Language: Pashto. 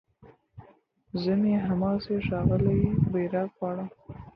زه مي هغسي ښاغلی بیرغ غواړم.